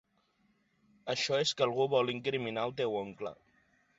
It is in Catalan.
Això és que algú vol incriminar el teu oncle.